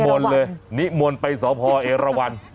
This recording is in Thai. นิมวลเลยนิมวลไปสหพอเอราวัน